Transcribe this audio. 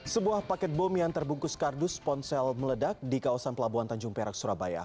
sebuah paket bom yang terbungkus kardus ponsel meledak di kawasan pelabuhan tanjung perak surabaya